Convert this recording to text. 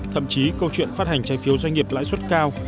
thậm chí câu chuyện phát hành trái phiếu doanh nghiệp lãi suất cao